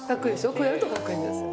こうやると格好いいんですよ。